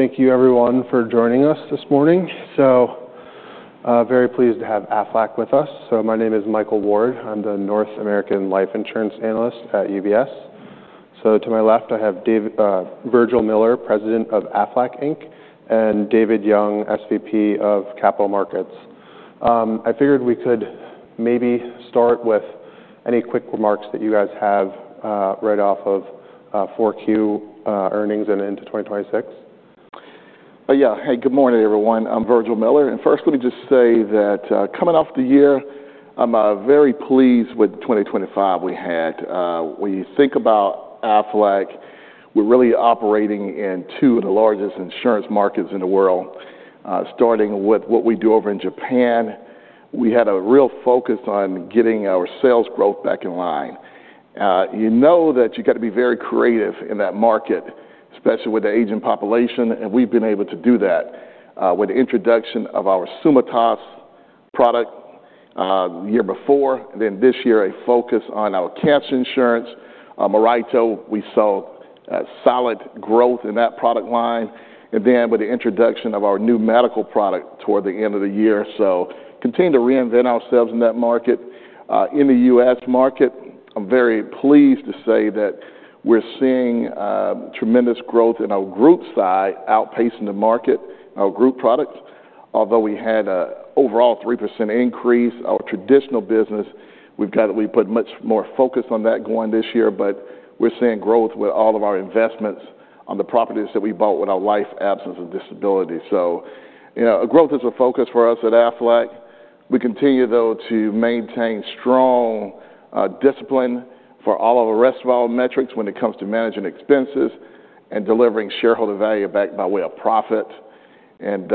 Thank you, everyone, for joining us this morning. So, very pleased to have Aflac with us. So my name is Michael Ward. I'm the North American Life Insurance Analyst at UBS. So to my left, I have David, Virgil Miller, President of Aflac Inc., and David Young, SVP of Capital Markets. I figured we could maybe start with any quick remarks that you guys have, right off of 4Q earnings and into 2026. Yeah. Hey, good morning, everyone. I'm Virgil Miller. And first, let me just say that, coming off the year, I'm very pleased with 2025 we had. When you think about Aflac, we're really operating in two of the largest insurance markets in the world. Starting with what we do over in Japan, we had a real focus on getting our sales growth back in line. You know that you gotta be very creative in that market, especially with the aging population. And we've been able to do that, with the introduction of our Tsumitasu product, the year before. And then this year, a focus on our cancer insurance Miraito. We saw solid growth in that product line. And then with the introduction of our new medical product toward the end of the year, so continue to reinvent ourselves in that market. In the U.S. market, I'm very pleased to say that we're seeing tremendous growth in our group side outpacing the market, our group products. Although we had an overall 3% increase, our traditional business, we put much more focus on that going this year. But we're seeing growth with all of our investments on the properties that we bought with our Life, Absence, and Disability. So, you know, growth is a focus for us at Aflac. We continue, though, to maintain strong discipline for all of the rest of our metrics when it comes to managing expenses and delivering shareholder value back by way of profit. And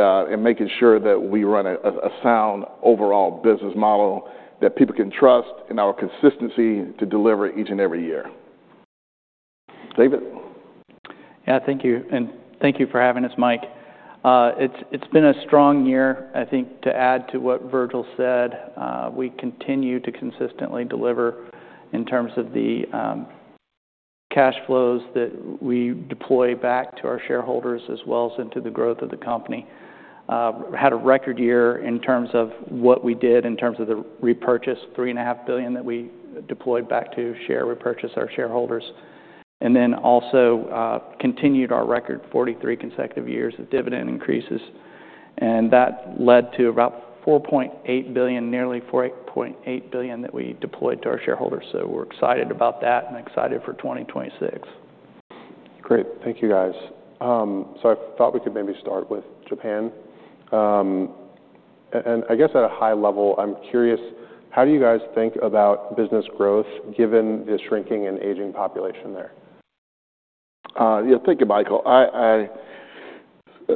making sure that we run a sound overall business model that people can trust and our consistency to deliver each and every year. David? Yeah, thank you. Thank you for having us, Mike. It's, it's been a strong year, I think, to add to what Virgil said. We continue to consistently deliver in terms of the cash flows that we deploy back to our shareholders as well as into the growth of the company. We had a record year in terms of what we did in terms of the repurchase, $3.5 billion that we deployed back to share, repurchased our shareholders. We then also continued our record, 43 consecutive years of dividend increases. And that led to about $4.8 billion, nearly $4.8 billion, that we deployed to our shareholders. So we're excited about that and excited for 2026. Great. Thank you, guys. So I thought we could maybe start with Japan. And I guess at a high level, I'm curious, how do you guys think about business growth given the shrinking and aging population there? Yeah, thank you, Michael. I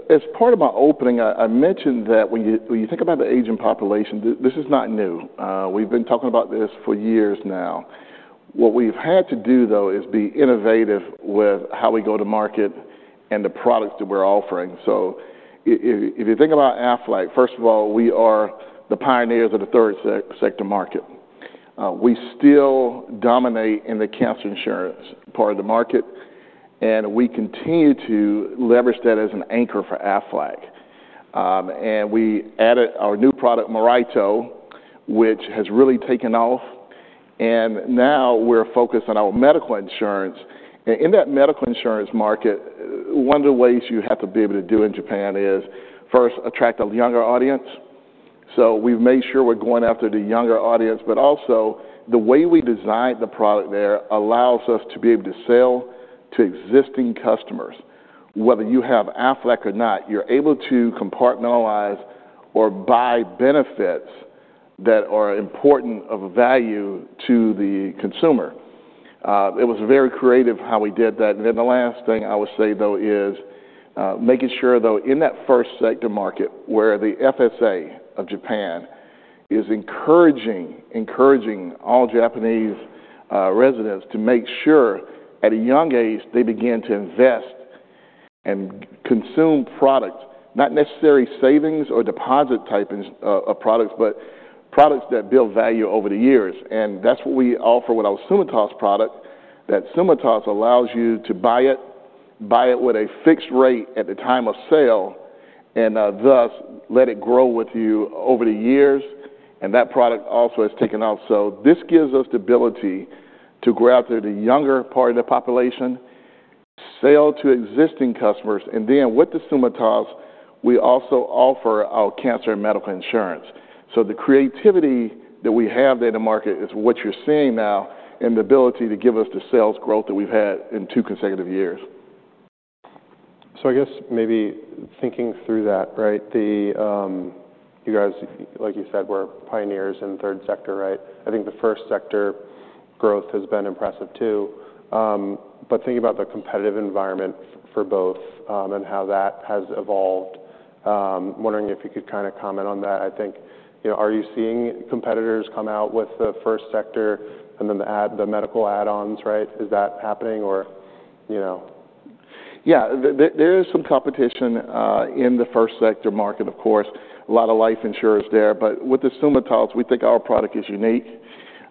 as part of my opening, I mentioned that when you think about the aging population, this is not new. We've been talking about this for years now. What we've had to do, though, is be innovative with how we go to market and the products that we're offering. So if you think about Aflac, first of all, we are the pioneers of the Third Sector market. We still dominate in the cancer insurance part of the market. And we continue to leverage that as an anchor for Aflac. And we added our new product, Miraito, which has really taken off. And now we're focused on our medical insurance. And in that medical insurance market, one of the ways you have to be able to do in Japan is, first, attract a younger audience. So we've made sure we're going after the younger audience. But also, the way we designed the product there allows us to be able to sell to existing customers. Whether you have Aflac or not, you're able to compartmentalize or buy benefits that are important of value to the consumer. It was very creative how we did that. And then the last thing I would say, though, is making sure, though, in that First Sector market where the FSA of Japan is encouraging all Japanese residents to make sure at a young age they begin to invest and consume products, not necessarily savings or deposit-type insurance products, but products that build value over the years. That's what we offer with our Tsumitasu product, that Tsumitasu allows you to buy it, buy it with a fixed rate at the time of sale, and, thus, let it grow with you over the years. That product also has taken off. This gives us the ability to go out there to the younger part of the population, sell to existing customers. Then with the Tsumitasu, we also offer our cancer and medical insurance. The creativity that we have there in the market is what you're seeing now and the ability to give us the sales growth that we've had in two consecutive years. So I guess maybe thinking through that, right, the, you guys, like you said, were pioneers in Third Sector, right? I think the First Sector growth has been impressive too. But thinking about the competitive environment for both, and how that has evolved, wondering if you could kinda comment on that. I think, you know, are you seeing competitors come out with the First Sector and then the add the medical add-ons, right? Is that happening, or, you know? Yeah. There is some competition in the First Sector market, of course. A lot of life insurers there. But with the Tsumitasu, we think our product is unique.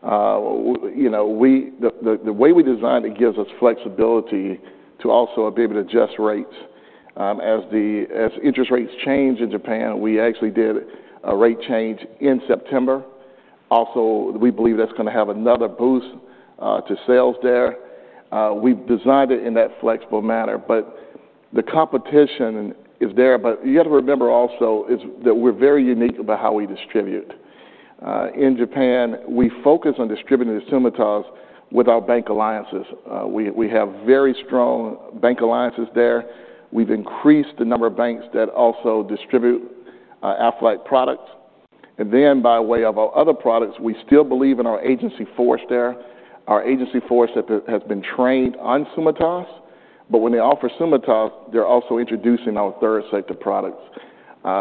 You know, the way we designed it gives us flexibility to also be able to adjust rates as interest rates change in Japan. We actually did a rate change in September. Also, we believe that's gonna have another boost to sales there. We've designed it in that flexible manner. But the competition is there. But you gotta remember also is that we're very unique about how we distribute. In Japan, we focus on distributing the Tsumitasu with our bank alliances. We have very strong bank alliances there. We've increased the number of banks that also distribute Aflac products. Then by way of our other products, we still believe in our agency force there, our agency force that has been trained on Tsumitasu. But when they offer Tsumitasu, they're also introducing our Third Sector products.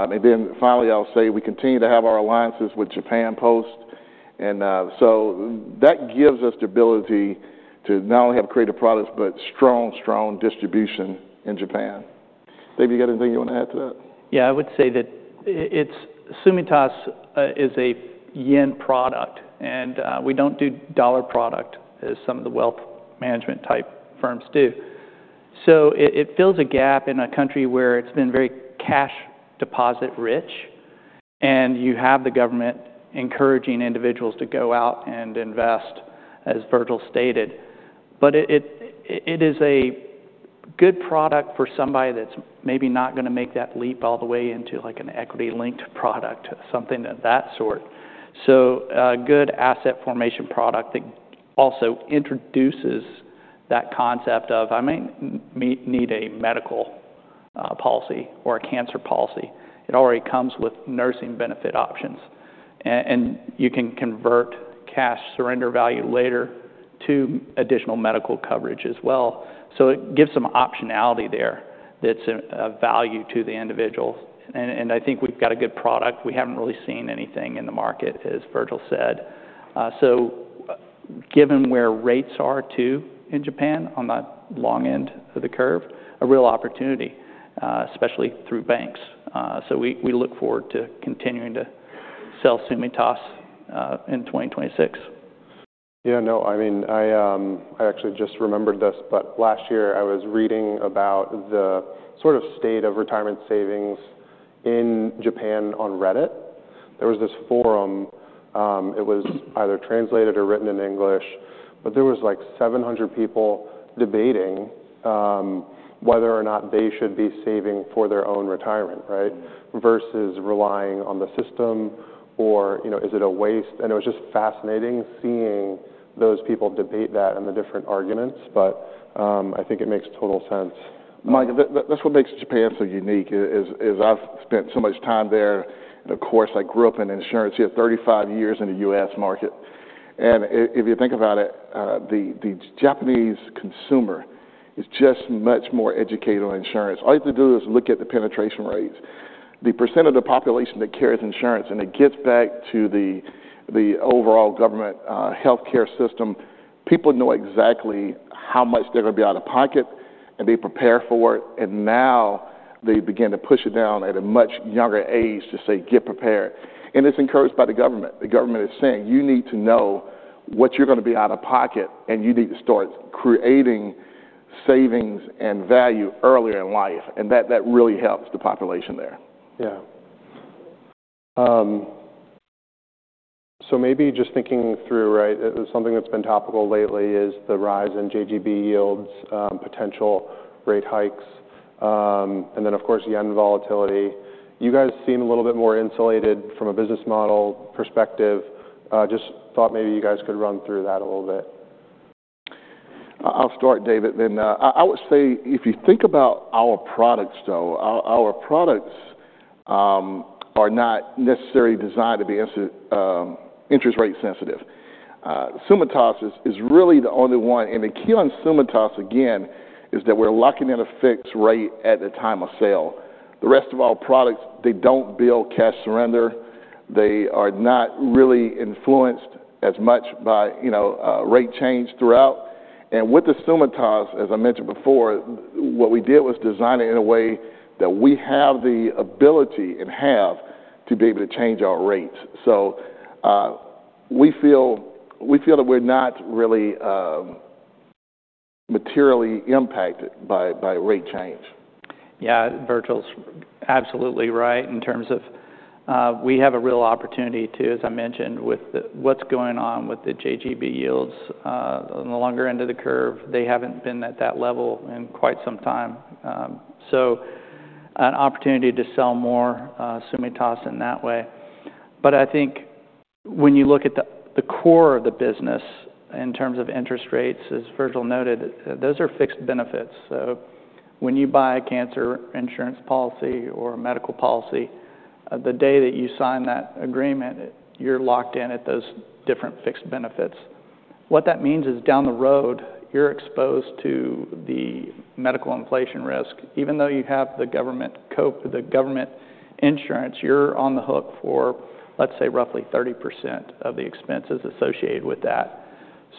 And then finally, I'll say we continue to have our alliances with Japan Post. And so that gives us the ability to not only have creative products but strong, strong distribution in Japan. David, you got anything you wanna add to that? Yeah, I would say that it's Tsumitasu, is a yen product. And, we don't do dollar product as some of the wealth management type firms do. So it fills a gap in a country where it's been very cash deposit-rich. And you have the government encouraging individuals to go out and invest, as Virgil stated. But it is a good product for somebody that's maybe not gonna make that leap all the way into, like, an equity-linked product, something of that sort. So, good asset formation product that also introduces that concept of, "I may need a medical policy or a cancer policy." It already comes with nursing benefit options. And you can convert cash surrender value later to additional medical coverage as well. So it gives some optionality there that's a value to the individual. And I think we've got a good product. We haven't really seen anything in the market, as Virgil said. So, given where rates are today in Japan on the long end of the curve, a real opportunity, especially through banks. So we, we look forward to continuing to sell Tsumitasu in 2026. Yeah, no. I mean, I, I actually just remembered this. But last year, I was reading about the sort of state of retirement savings in Japan on Reddit. There was this forum. It was either translated or written in English. But there was, like, 700 people debating whether or not they should be saving for their own retirement, right, versus relying on the system. Or, you know, is it a waste? And it was just fascinating seeing those people debate that and the different arguments. But, I think it makes total sense. Mike, that's what makes Japan so unique is, I've spent so much time there. And of course, I grew up in insurance. You have 35 years in the U.S. market. And if you think about it, the Japanese consumer is just much more educated on insurance. All you have to do is look at the penetration rates. The percent of the population that carries insurance, and it gets back to the overall government healthcare system. People know exactly how much they're gonna be out of pocket and be prepared for it. And now they begin to push it down at a much younger age to say, "Get prepared." And it's encouraged by the government. The government is saying, "You need to know what you're gonna be out of pocket. And you need to start creating savings and value earlier in life." And that really helps the population there. Yeah. So maybe just thinking through, right, it's something that's been topical lately is the rise in JGB yields, potential rate hikes. And then, of course, yen volatility. You guys seem a little bit more insulated from a business model perspective. Just thought maybe you guys could run through that a little bit. I'll start, David, then. I would say if you think about our products, though, our products are not necessarily designed to be super interest rate sensitive. Tsumitasu is really the only one. And the key on Tsumitasu, again, is that we're locking in a fixed rate at the time of sale. The rest of our products, they don't build cash surrender. They are not really influenced as much by, you know, rate change throughout. And with the Tsumitasu, as I mentioned before, what we did was design it in a way that we have the ability and have to be able to change our rates. So, we feel that we're not really materially impacted by rate change. Yeah, Virgil's absolutely right in terms of, we have a real opportunity too, as I mentioned, with the what's going on with the JGB yields, on the longer end of the curve. They haven't been at that level in quite some time. So an opportunity to sell more, Tsumitasu in that way. But I think when you look at the core of the business in terms of interest rates, as Virgil noted, those are fixed benefits. So when you buy a cancer insurance policy or a medical policy, the day that you sign that agreement, you're locked in at those different fixed benefits. What that means is down the road, you're exposed to the medical inflation risk. Even though you have the government insurance, you're on the hook for, let's say, roughly 30% of the expenses associated with that.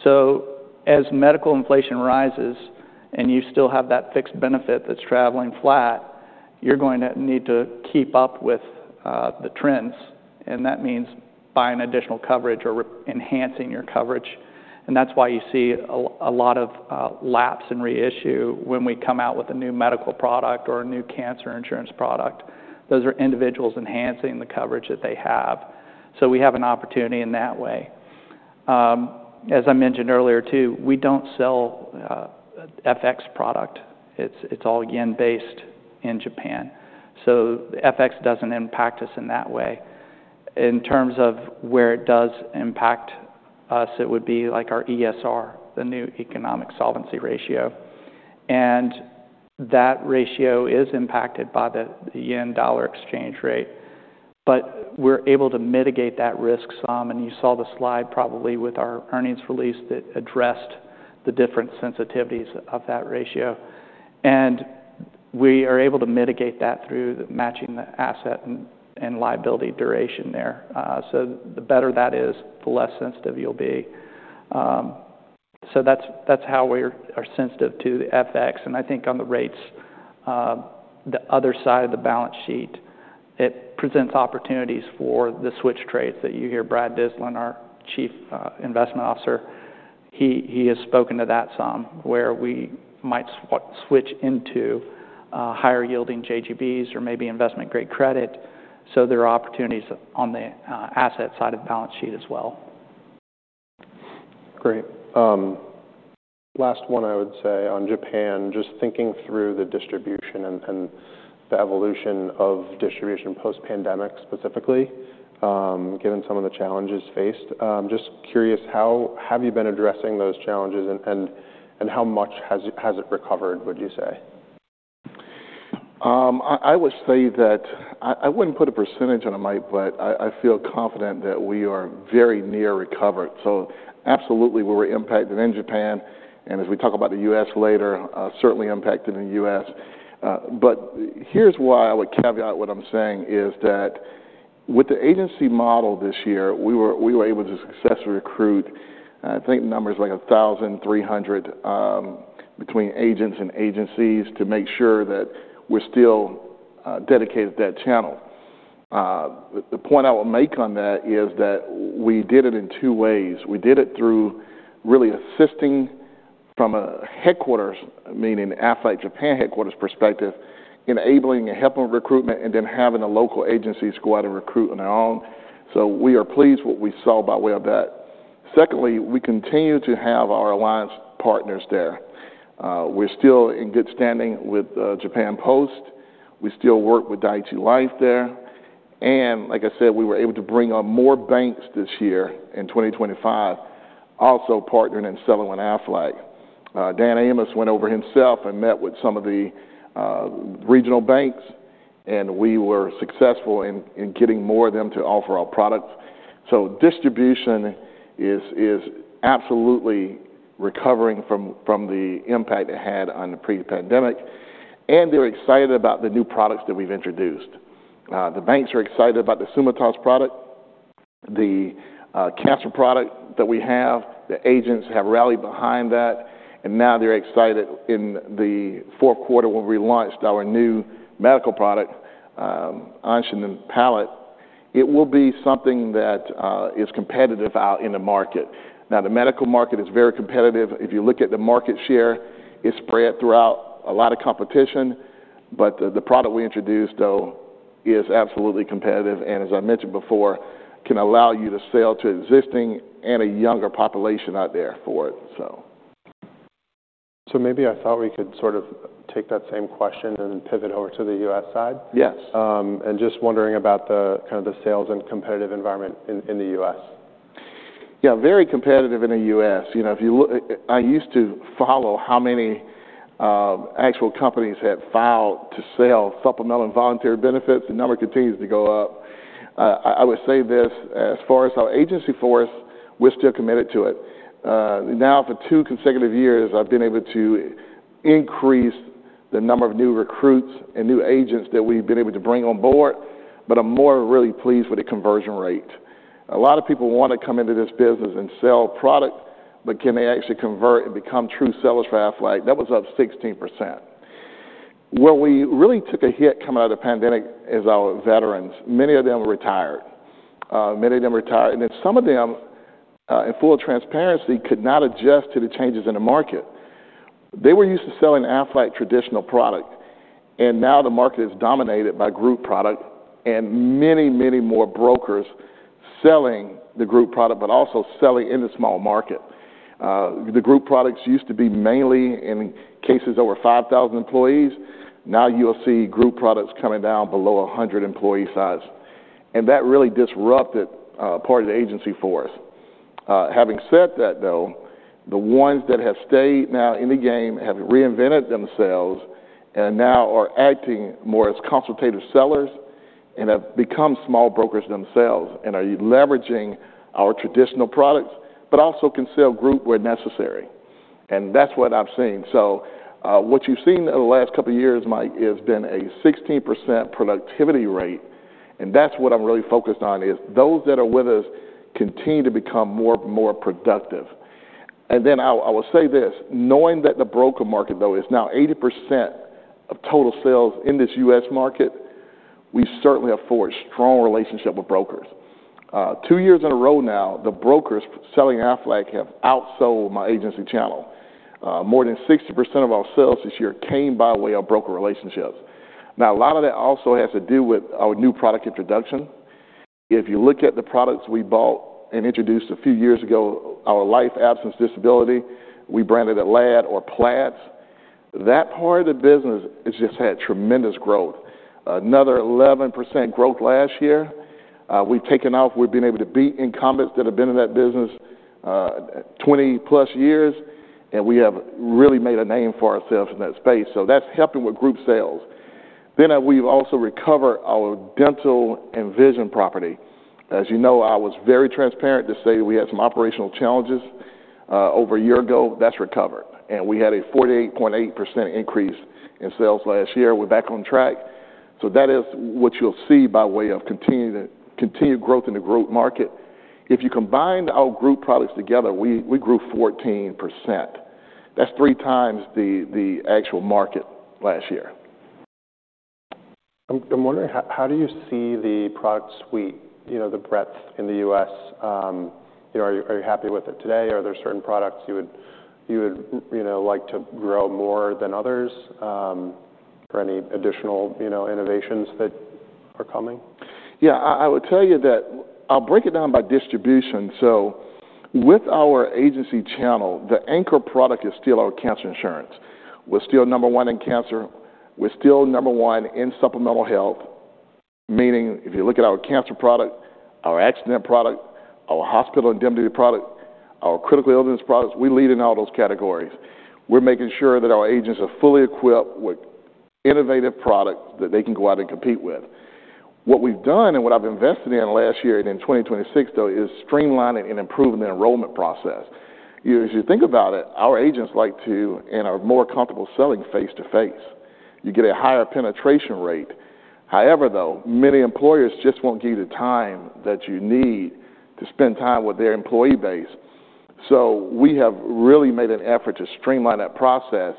So as medical inflation rises and you still have that fixed benefit that's traveling flat, you're going to need to keep up with the trends. And that means buying additional coverage or re-enhancing your coverage. And that's why you see a lot of lapses and reissues when we come out with a new medical product or a new cancer insurance product. Those are individuals enhancing the coverage that they have. So we have an opportunity in that way. As I mentioned earlier too, we don't sell FX product. It's all yen-based in Japan. So FX doesn't impact us in that way. In terms of where it does impact us, it would be, like, our ESR, the new Economic Solvency Ratio. And that ratio is impacted by the yen-dollar exchange rate. But we're able to mitigate that risk some. You saw the slide probably with our earnings release that addressed the different sensitivities of that ratio. We are able to mitigate that through matching the asset and liability duration there. So the better that is, the less sensitive you'll be. So that's how we're sensitive to the FX. I think on the rates, the other side of the balance sheet, it presents opportunities for the switch trades that you hear Brad Dyslin, our Chief Investment Officer, he has spoken to that somewhere we might switch into higher-yielding JGBs or maybe investment-grade credit. So there are opportunities on the asset side of the balance sheet as well. Great. Last one, I would say on Japan, just thinking through the distribution and the evolution of distribution post-pandemic specifically, given some of the challenges faced. Just curious, how have you been addressing those challenges? And how much has it recovered, would you say? I would say that I wouldn't put a percentage on it, Mike, but I feel confident that we are very near recovered. So absolutely, we were impacted in Japan. And as we talk about the U.S. later, certainly impacted in the US. Here's why I would caveat what I'm saying is that with the agency model this year, we were able to successfully recruit, I think numbers like 1,300, between agents and agencies to make sure that we're still dedicated to that channel. The point I would make on that is that we did it in two ways. We did it through really assisting from a headquarters, meaning Aflac Japan headquarters perspective, enabling and helping with recruitment and then having the local agencies go out and recruit on their own. So we are pleased with what we saw by way of that. Secondly, we continue to have our alliance partners there. We're still in good standing with Japan Post. We still work with Dai-ichi Life there. And like I said, we were able to bring on more banks this year in 2025, also partnering and selling with Aflac. Dan Amos went over himself and met with some of the regional banks. And we were successful in getting more of them to offer our products. So distribution is absolutely recovering from the impact it had on the pre-pandemic. And they're excited about the new products that we've introduced. The banks are excited about the Tsumitasu product, the cancer product that we have. The agents have rallied behind that. And now they're excited in the fourth quarter when we launched our new medical product, Anshin Palette. It will be something that is competitive out in the market. Now, the medical market is very competitive. If you look at the market share, it's spread throughout. A lot of competition. But the product we introduced, though, is absolutely competitive. And as I mentioned before, can allow you to sell to existing and a younger population out there for it, so. Maybe I thought we could sort of take that same question and pivot over to the U.S. side? Yes. Just wondering about the kind of the sales and competitive environment in the U.S.? Yeah, very competitive in the U.S. You know, if you look it I used to follow how many actual companies had filed to sell supplemental and voluntary benefits. The number continues to go up. I would say this as far as our agency for us, we're still committed to it. Now for two consecutive years, I've been able to increase the number of new recruits and new agents that we've been able to bring on board. But I'm more really pleased with the conversion rate. A lot of people wanna come into this business and sell product, but can they actually convert and become true sellers for Aflac? That was up 16%. Where we really took a hit coming out of the pandemic is our veterans. Many of them retired. Many of them retired. And then some of them, in full transparency, could not adjust to the changes in the market. They were used to selling Aflac traditional product. And now the market is dominated by group product and many, many more brokers selling the group product but also selling in the small market. The group products used to be mainly in cases over 5,000 employees. Now you'll see group products coming down below 100 employee size. And that really disrupted part of the agency for us. Having said that, though, the ones that have stayed now in the game have reinvented themselves and now are acting more as consultative sellers and have become small brokers themselves and are leveraging our traditional products but also can sell group where necessary. And that's what I've seen. So, what you've seen in the last couple of years, Mike, has been a 16% productivity rate. That's what I'm really focused on is those that are with us continue to become more, more productive. Then I would say this. Knowing that the broker market, though, is now 80% of total sales in this U.S. market, we certainly have formed a strong relationship with brokers. Two years in a row now, the brokers selling Aflac have outsold my agency channel. More than 60% of our sales this year came by way of broker relationships. Now, a lot of that also has to do with our new product introduction. If you look at the products we bought and introduced a few years ago, our Life Absence Disability, we branded it LAD or PLADS. That part of the business has just had tremendous growth, another 11% growth last year. We've taken off. We've been able to beat incumbents that have been in that business 20+ years. And we have really made a name for ourselves in that space. So that's helping with group sales. Then we've also recovered our dental and vision property. As you know, I was very transparent to say we had some operational challenges over a year ago. That's recovered. And we had a 48.8% increase in sales last year. We're back on track. So that is what you'll see by way of continuing to continue growth in the group market. If you combine our group products together, we, we grew 14%. That's three times the, the actual market last year. I'm wondering, how do you see the product suite, you know, the breadth in the U.S.? You know, are you happy with it today? Are there certain products you would, you know, like to grow more than others? Or any additional, you know, innovations that are coming? Yeah, I would tell you that I'll break it down by distribution. So with our agency channel, the anchor product is still our cancer insurance. We're still number one in cancer. We're still number one in supplemental health, meaning if you look at our cancer product, our accident product, our hospital indemnity product, our critical illness products, we lead in all those categories. We're making sure that our agents are fully equipped with innovative products that they can go out and compete with. What we've done and what I've invested in last year and in 2026, though, is streamlining and improving the enrollment process. You know, as you think about it, our agents like to and are more comfortable selling face-to-face. You get a higher penetration rate. However, though, many employers just won't give you the time that you need to spend time with their employee base. So we have really made an effort to streamline that process.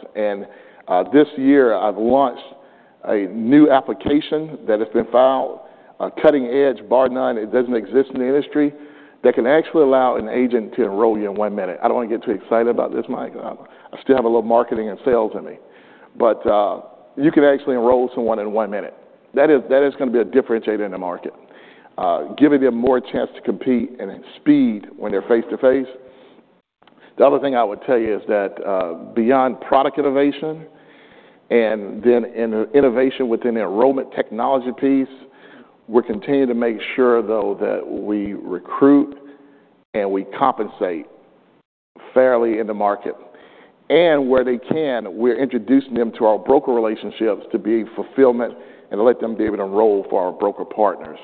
This year, I've launched a new application that has been filed, a cutting-edge, bar none. It doesn't exist in the industry that can actually allow an agent to enroll you in one minute. I don't wanna get too excited about this, Mike. I, I still have a little marketing and sales in me. But you can actually enroll someone in one minute. That is gonna be a differentiator in the market, giving them more chance to compete and speed when they're face-to-face. The other thing I would tell you is that, beyond product innovation and then in the innovation within the enrollment technology piece, we're continuing to make sure, though, that we recruit and we compensate fairly in the market. Where they can, we're introducing them to our broker relationships to be fulfillment and to let them be able to enroll for our broker partners.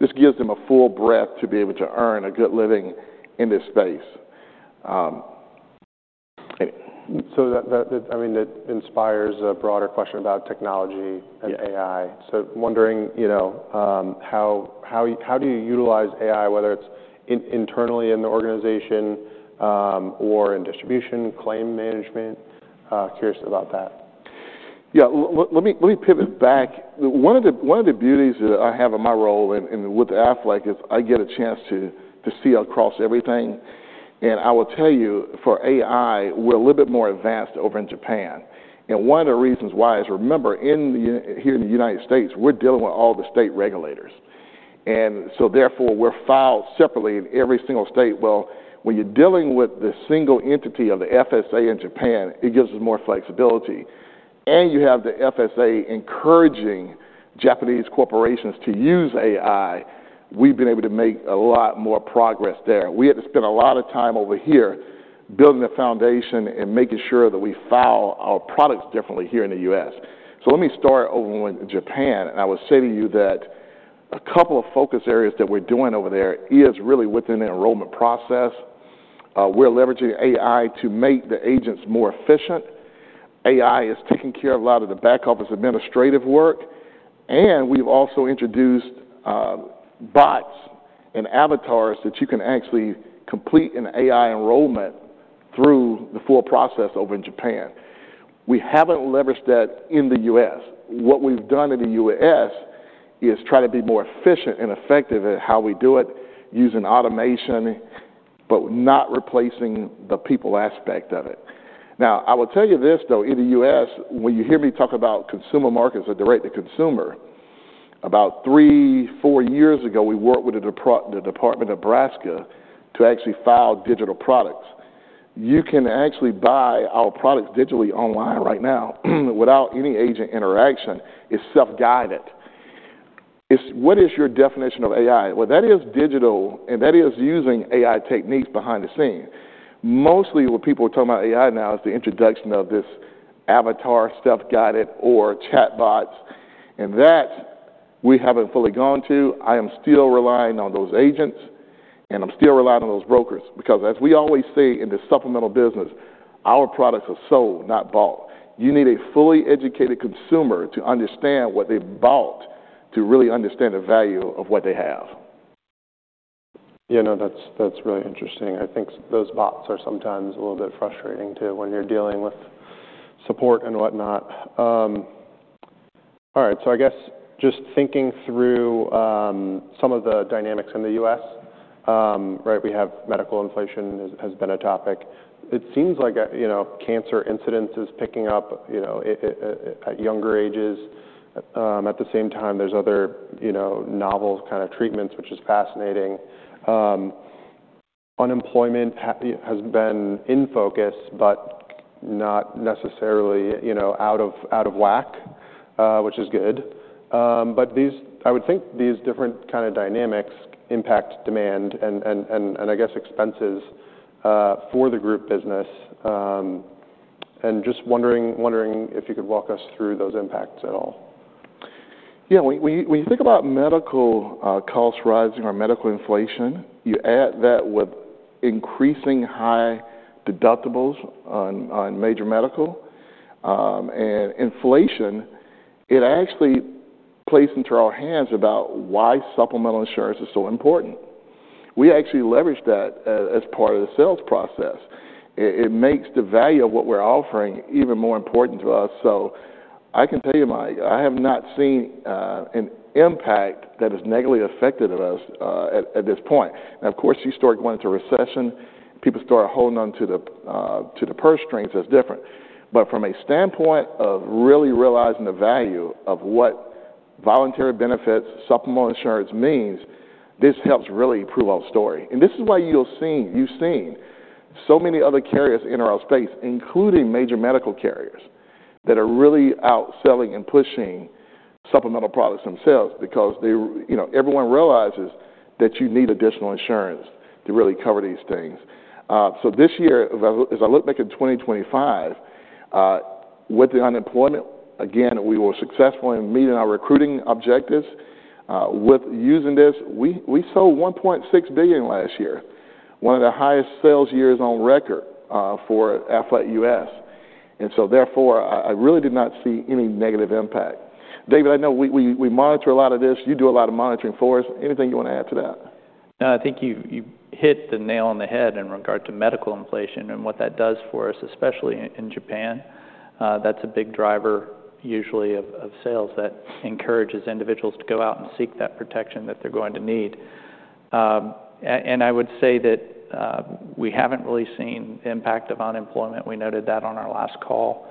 This gives them a full breadth to be able to earn a good living in this space. So that, I mean, that inspires a broader question about technology and AI. So, wondering, you know, how do you utilize AI, whether it's internally in the organization, or in distribution, claim management? Curious about that. Yeah, let me pivot back. One of the beauties that I have in my role in with Aflac is I get a chance to see across everything. And I will tell you, for AI, we're a little bit more advanced over in Japan. And one of the reasons why is remember, in the U.S. here in the United States, we're dealing with all the state regulators. And so therefore, we're filed separately in every single state. Well, when you're dealing with the single entity of the FSA in Japan, it gives us more flexibility. And you have the FSA encouraging Japanese corporations to use AI. We've been able to make a lot more progress there. We had to spend a lot of time over here building the foundation and making sure that we file our products differently here in the U.S. So let me start over with Japan. And I would say to you that a couple of focus areas that we're doing over there is really within the enrollment process. We're leveraging AI to make the agents more efficient. AI is taking care of a lot of the back office administrative work. And we've also introduced bots and avatars that you can actually complete an AI enrollment through the full process over in Japan. We haven't leveraged that in the U.S. What we've done in the U.S. is try to be more efficient and effective at how we do it using automation but not replacing the people aspect of it. Now, I will tell you this, though, in the U.S., when you hear me talk about consumer markets or direct to consumer, about three-four years ago, we worked with the Department of Nebraska to actually file digital products. You can actually buy our products digitally online right now without any agent interaction. It's self-guided. It's what is your definition of AI? Well, that is digital. And that is using AI techniques behind the scenes. Mostly, what people are talking about AI now is the introduction of this avatar, self-guided, or chatbots. And that, we haven't fully gone to. I am still relying on those agents. And I'm still relying on those brokers because, as we always say in the supplemental business, our products are sold, not bought. You need a fully educated consumer to understand what they bought to really understand the value of what they have. Yeah, no, that's really interesting. I think those bots are sometimes a little bit frustrating too when you're dealing with support and whatnot. All right, so I guess just thinking through some of the dynamics in the U.S., right, we have medical inflation has been a topic. It seems like, you know, cancer incidence is picking up, you know, I at younger ages. At the same time, there's other, you know, novel kind of treatments, which is fascinating. Unemployment has, you know, been in focus but not necessarily, you know, out of whack, which is good. But these I would think these different kind of dynamics impact demand and, I guess, expenses for the group business. And just wondering if you could walk us through those impacts at all. Yeah, we, when you think about medical costs rising or medical inflation, you add that with increasing high deductibles on major medical and inflation, it actually plays into our hands about why supplemental insurance is so important. We actually leverage that as part of the sales process. It makes the value of what we're offering even more important to us. So I can tell you, Mike, I have not seen an impact that has negatively affected us at this point. Now, of course, you start going into recession. People start holding onto the purse strings. That's different. But from a standpoint of really realizing the value of what voluntary benefits, supplemental insurance means, this helps really improve our story. This is why you'll see you've seen so many other carriers enter our space, including major medical carriers, that are really outselling and pushing supplemental products themselves because they're, you know, everyone realizes that you need additional insurance to really cover these things. So this year, as I look back at 2025, with the unemployment, again, we were successful in meeting our recruiting objectives. With using this, we, we sold $1.6 billion last year, one of the highest sales years on record, for Aflac U.S. And so therefore, I, I really did not see any negative impact. David, I know we, we, we monitor a lot of this. You do a lot of monitoring for us. Anything you wanna add to that? No, I think you, you hit the nail on the head in regard to medical inflation and what that does for us, especially in, in Japan. That's a big driver usually of, of sales that encourages individuals to go out and seek that protection that they're going to need. And I would say that we haven't really seen the impact of unemployment. We noted that on our last call.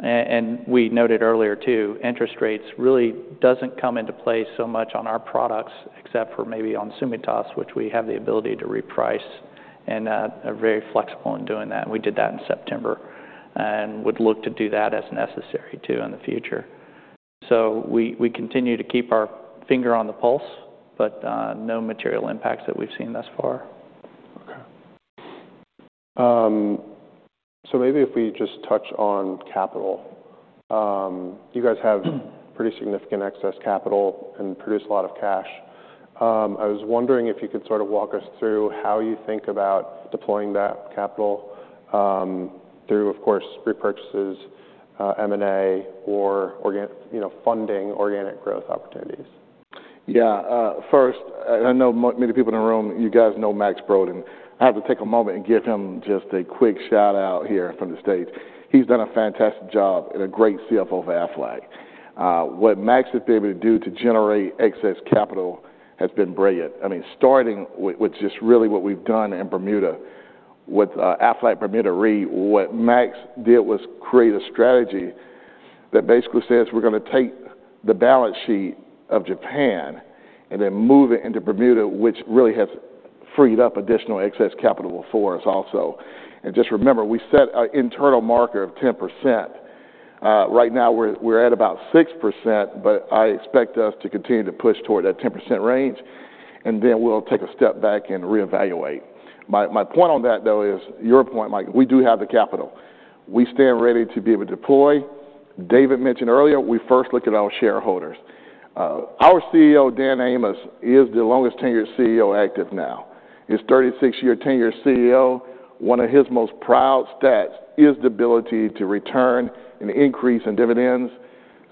And we noted earlier too, interest rates really doesn't come into play so much on our products except for maybe on Tsumitasu, which we have the ability to reprice and are very flexible in doing that. And we did that in September and would look to do that as necessary too in the future. So we, we continue to keep our finger on the pulse but no material impacts that we've seen thus far. Okay. Maybe if we just touch on capital. You guys have pretty significant excess capital and produce a lot of cash. I was wondering if you could sort of walk us through how you think about deploying that capital, through, of course, repurchases, M&A, or organic, you know, funding organic growth opportunities? Yeah, first, I know many people in the room, you guys know Max Brodén. I have to take a moment and give him just a quick shout-out here from the States. He's done a fantastic job and a great CFO for Aflac. What Max has been able to do to generate excess capital has been brilliant. I mean, starting with just really what we've done in Bermuda, with Aflac Bermuda Re, what Max did was create a strategy that basically says, "We're gonna take the balance sheet of Japan and then move it into Bermuda," which really has freed up additional excess capital for us also. And just remember, we set our internal marker of 10%. Right now, we're at about 6%. But I expect us to continue to push toward that 10% range. And then we'll take a step back and reevaluate. My, my point on that, though, is your point, Mike, we do have the capital. We stand ready to be able to deploy. David mentioned earlier, we first look at our shareholders. Our CEO, Dan Amos, is the longest-tenured CEO active now. He's a 36-year-tenured CEO. One of his most proud stats is the ability to return and increase in dividends.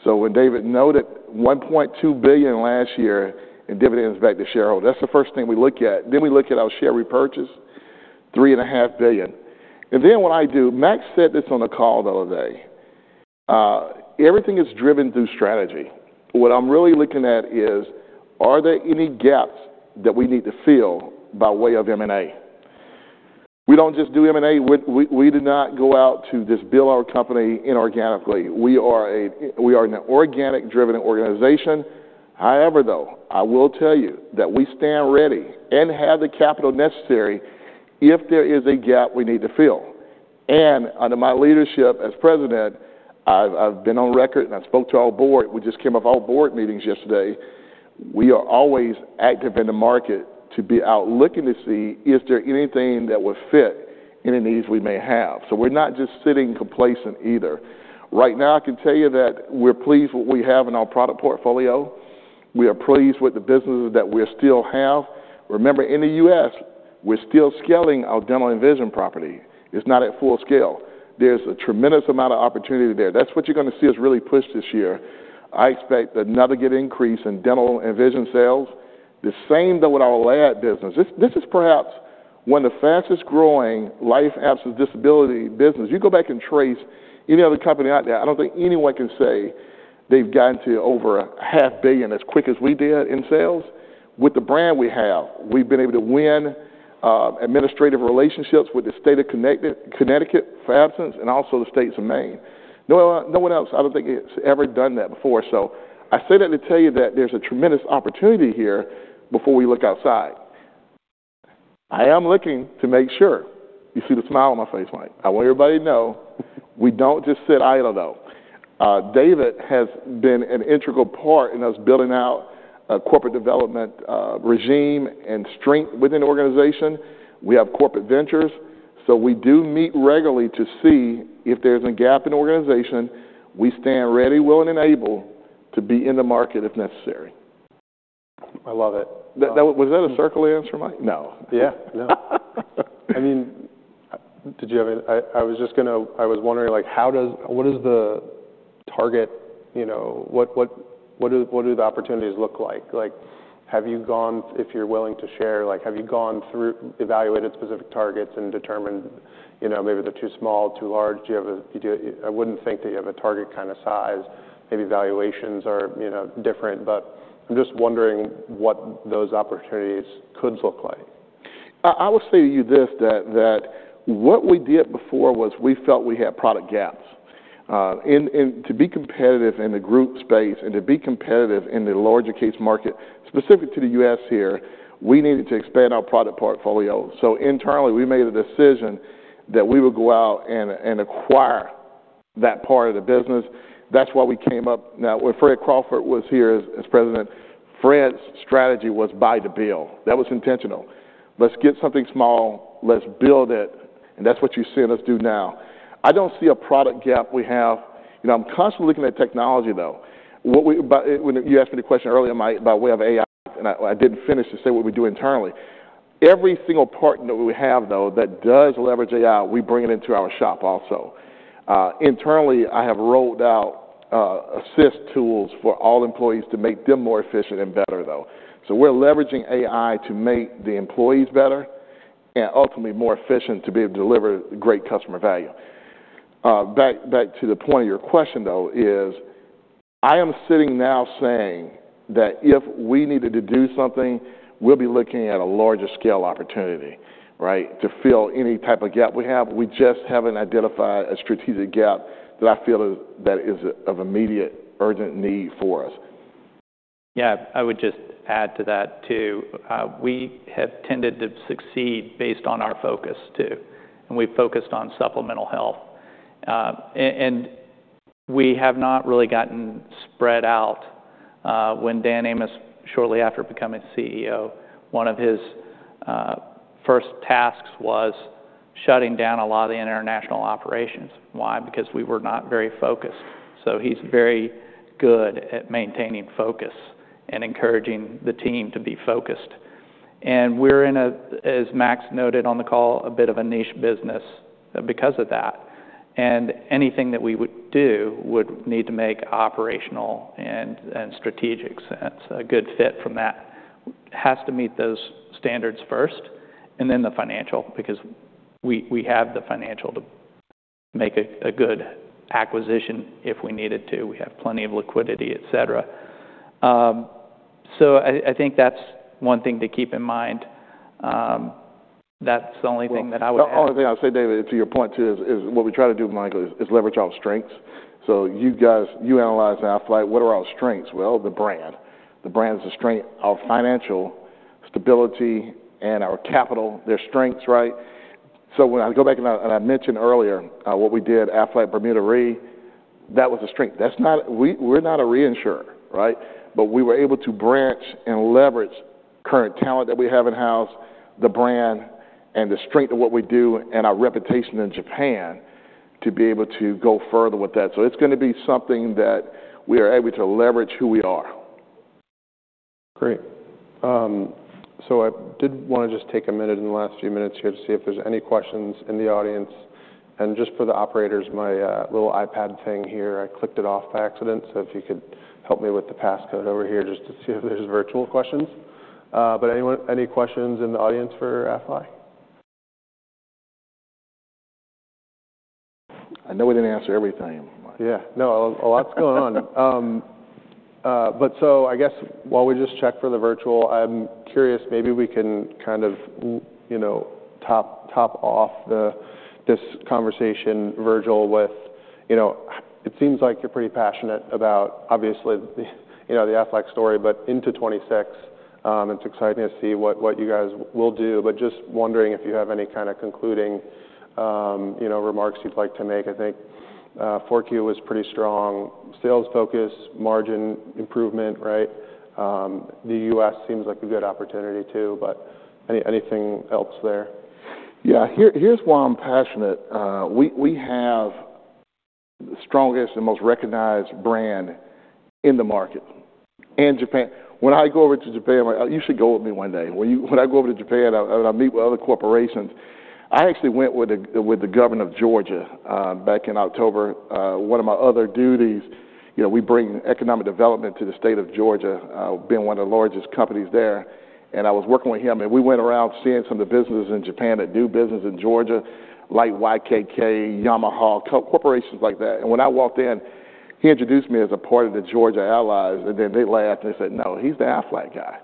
So when David noted $1.2 billion last year in dividends back to shareholders, that's the first thing we look at. Then we look at our share repurchase, $3.5 billion. And then what I do, Max said this on the call the other day, everything is driven through strategy. What I'm really looking at is, are there any gaps that we need to fill by way of M&A? We don't just do M&A. We, we, we do not go out to just build our company inorganically. We are an organic-driven organization. However, though, I will tell you that we stand ready and have the capital necessary if there is a gap we need to fill. Under my leadership as President, I've been on record, and I spoke to our board. We just came off our board meetings yesterday. We are always active in the market to be out looking to see, is there anything that would fit any needs we may have? So we're not just sitting complacent either. Right now, I can tell you that we're pleased with what we have in our product portfolio. We are pleased with the businesses that we still have. Remember, in the U.S., we're still scaling our dental and vision property. It's not at full scale. There's a tremendous amount of opportunity there. That's what you're gonna see us really push this year. I expect another good increase in dental and vision sales, the same, though, with our group business. This, this is perhaps one of the fastest-growing life absence disability businesses. You go back and trace any other company out there, I don't think anyone can say they've gotten to over $500 million as quick as we did in sales. With the brand we have, we've been able to win administrative relationships with the State of Connecticut for absence and also the State of Maine. No, no one else, I don't think, has ever done that before. So I say that to tell you that there's a tremendous opportunity here before we look outside. I am looking to make sure you see the smile on my face, Mike. I want everybody to know we don't just sit idle, though. David has been an integral part in us building out a corporate development, regime and strength within the organization. We have corporate ventures. So we do meet regularly to see if there's a gap in the organization. We stand ready, willing, and able to be in the market if necessary. I love it. Was that a circular answer, Mike? No. Yeah, no. I mean, did you have any? I was just gonna—I was wondering, like, how does—what is the target, you know, what do the opportunities look like? Like, have you gone—if you're willing to share—like, have you gone through evaluated specific targets and determined, you know, maybe they're too small, too large? Do you have a—you do a—I wouldn't think that you have a target kind of size. Maybe valuations are, you know, different. But I'm just wondering what those opportunities could look like. I will say to you this, that what we did before was we felt we had product gaps. To be competitive in the group space and to be competitive in the larger case market, specific to the U.S. here, we needed to expand our product portfolio. Internally, we made a decision that we would go out and acquire that part of the business. That's why we came up now, when Fred Crawford was here as president, Fred's strategy was buy, then build. That was intentional. Let's get something small. Let's build it. That's what you see us do now. I don't see a product gap we have. You know, I'm constantly looking at technology, though. What we do about it when you asked me the question earlier, Mike, by way of AI, and I didn't finish to say what we do internally. Every single partner that we have, though, that does leverage AI, we bring it into our shop also. Internally, I have rolled out assist tools for all employees to make them more efficient and better, though. So we're leveraging AI to make the employees better and ultimately more efficient to be able to deliver great customer value. Back, back to the point of your question, though, is I am sitting now saying that if we needed to do something, we'll be looking at a larger-scale opportunity, right, to fill any type of gap we have. We just haven't identified a strategic gap that I feel is that is of immediate, urgent need for us. Yeah, I would just add to that too. We have tended to succeed based on our focus too. And we've focused on supplemental health. And we have not really gotten spread out. When Dan Amos, shortly after becoming CEO, one of his first tasks was shutting down a lot of the international operations. Why? Because we were not very focused. So he's very good at maintaining focus and encouraging the team to be focused. And we're in a, as Max noted on the call, a bit of a niche business because of that. And anything that we would do would need to make operational and strategic sense. A good fit from that has to meet those standards first and then the financial because we have the financial to make a good acquisition if we needed to. We have plenty of liquidity, etc. I, I think that's one thing to keep in mind. That's the only thing that I would add. The only thing I'll say, David, to your point too, is what we try to do, Mike, is to leverage our strengths. So you guys analyze Aflac. What are our strengths? Well, the brand. The brand is a strength. Our financial stability and our capital, they're strengths, right? So when I go back and I mentioned earlier, what we did, Aflac Bermuda Re, that was a strength. That's not. We're not a reinsurer, right? But we were able to branch and leverage current talent that we have in-house, the brand, and the strength of what we do and our reputation in Japan to be able to go further with that. So it's gonna be something that we are able to leverage who we are. Great. So I did wanna just take a minute in the last few minutes here to see if there's any questions in the audience. And just for the operators, my little iPad thing here, I clicked it off by accident. So if you could help me with the passcode over here just to see if there's virtual questions. But anyone, any questions in the audience for Aflac? I know we didn't answer everything, Mike. Yeah, no, a lot, a lot's going on. But so I guess while we just check for the virtual, I'm curious, maybe we can kind of let you know, top, top off this conversation, Virgil, with, you know, it seems like you're pretty passionate about, obviously, the, you know, the Aflac story. But into 2026, it's exciting to see what, what you guys will do. But just wondering if you have any kind of concluding, you know, remarks you'd like to make. I think, 4Q was pretty strong, sales focus, margin improvement, right? The U.S. seems like a good opportunity too. But any, anything else there? Yeah, here, here's why I'm passionate. We have the strongest and most recognized brand in the market in Japan. When I go over to Japan, I'm like, "You should go with me one day." When I go over to Japan and I meet with other corporations, I actually went with the Governor of Georgia, back in October. One of my other duties, you know, we bring economic development to the state of Georgia, being one of the largest companies there. And I was working with him. And we went around seeing some of the businesses in Japan that do business in Georgia, like YKK, Yamaha, co-corporations like that. And when I walked in, he introduced me as a part of the Georgia Allies. And then they laughed, and they said, "No, he's the Aflac guy."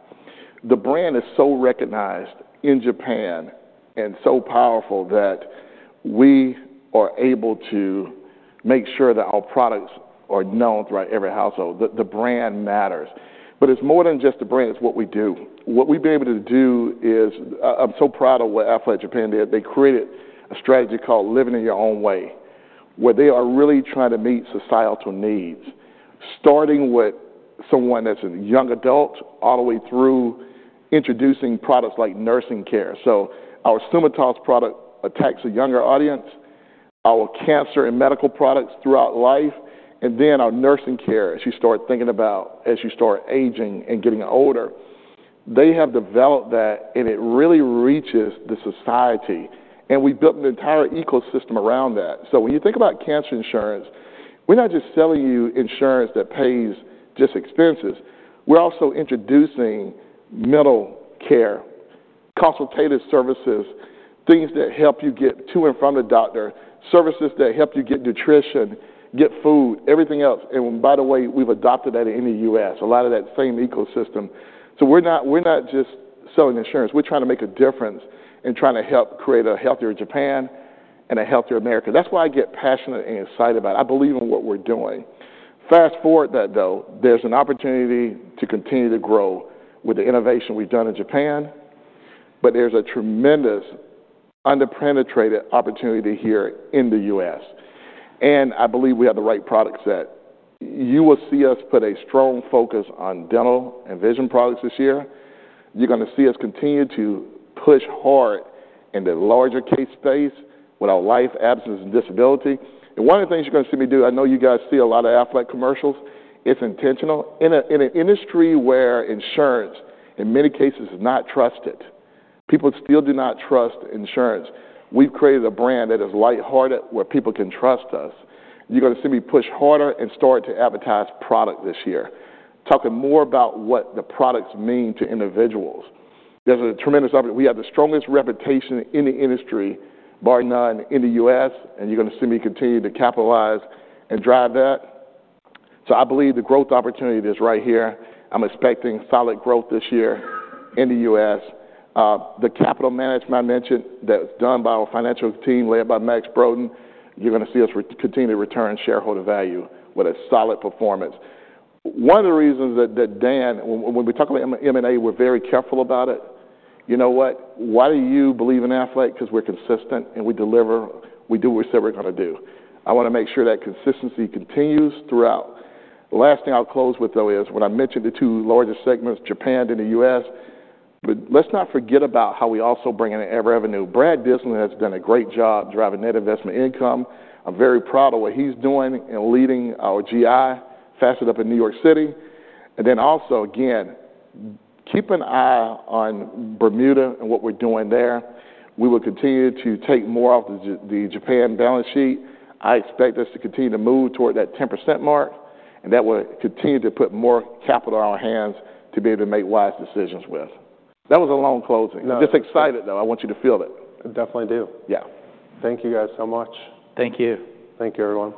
The brand is so recognized in Japan and so powerful that we are able to make sure that our products are known throughout every household. The brand matters. But it's more than just the brand. It's what we do. What we've been able to do is, I'm so proud of what Aflac Japan did. They created a strategy called Living in Your Own Way where they are really trying to meet societal needs, starting with someone that's a young adult all the way through introducing products like nursing care. So our Tsumitasu product attacks a younger audience, our cancer and medical products throughout life, and then our nursing care, as you start thinking about as you start aging and getting older. They have developed that, and it really reaches the society. We built an entire ecosystem around that. So when you think about cancer insurance, we're not just selling you insurance that pays just expenses. We're also introducing mental care, consultative services, things that help you get to and from the doctor, services that help you get nutrition, get food, everything else. And by the way, we've adopted that in the U.S., a lot of that same ecosystem. So we're not just selling insurance. We're trying to make a difference and trying to help create a healthier Japan and a healthier America. That's why I get passionate and excited about it. I believe in what we're doing. Fast forward that, though, there's an opportunity to continue to grow with the innovation we've done in Japan. But there's a tremendous under-penetrated opportunity here in the U.S. I believe we have the right product set. You will see us put a strong focus on dental and vision products this year. You're gonna see us continue to push hard in the larger case space with our life absence and disability. And one of the things you're gonna see me do, I know you guys see a lot of Aflac commercials, it's intentional. In an industry where insurance, in many cases, is not trusted, people still do not trust insurance, we've created a brand that is lighthearted where people can trust us. You're gonna see me push harder and start to advertise products this year, talking more about what the products mean to individuals. There's a tremendous opportunity. We have the strongest reputation in the industry bar none in the U.S. And you're gonna see me continue to capitalize and drive that. So I believe the growth opportunity is right here. I'm expecting solid growth this year in the U.S. The capital management I mentioned that's done by our financial team led by Max Brodén. You're gonna see us continue to return shareholder value with a solid performance. One of the reasons that, that Dan when, when we talk about M&A, we're very careful about it. You know what? Why do you believe in Aflac? 'Cause we're consistent, and we deliver. We do what we said we're gonna do. I wanna make sure that consistency continues throughout. The last thing I'll close with, though, is when I mentioned the two largest segments, Japan and the U.S., but let's not forget about how we also bring in other revenue. Brad Dyslin has done a great job driving net investment income. I'm very proud of what he's doing in leading our GI, heading up in New York City. Then also, again, keep an eye on Bermuda and what we're doing there. We will continue to take more off the Japan balance sheet. I expect us to continue to move toward that 10% mark. That will continue to put more capital in our hands to be able to make wise decisions with. That was a long closing. No. I'm just excited, though. I want you to feel it. I definitely do. Yeah. Thank you guys so much. Thank you. Thank you, everyone.